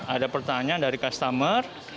ada pertanyaan dari customer